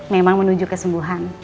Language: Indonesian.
memang menuju kesembuhan